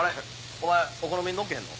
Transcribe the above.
お前お好みのっけへんの？